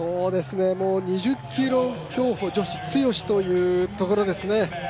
もう２０ｋｍ競歩女子強しというところですね。